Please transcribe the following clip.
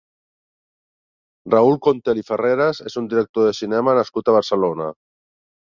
Raül Contel i Ferreres és un director de cinema nascut a Barcelona.